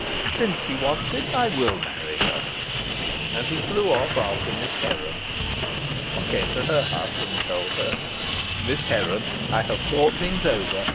Since she wants it, I will marry her." And he flew off after Miss Heron. He came to her hut, and told her, "Miss Heron, I have thought things over.